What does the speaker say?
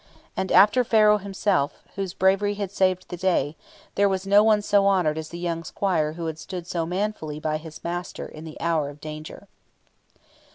And after the Pharaoh himself, whose bravery had saved the day, there was no one so honoured as the young squire who had stood so manfully by his master in the hour of danger.